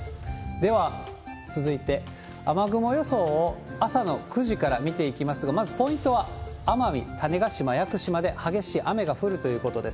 では、続いて雨雲予想を朝の９時から見ていきますが、まずポイントは奄美、種子島、屋久島で激しい雨が降るということです。